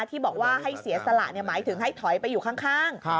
ที่บอกว่าให้เสียสละหมายถึงให้ถอยไปอยู่ข้าง